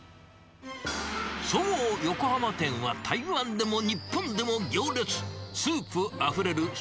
そう、横浜店は台湾でも日本でも行列。